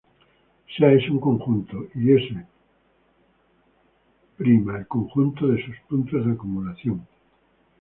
Sea "S" un conjunto y "S′" el conjunto de sus puntos de acumulación.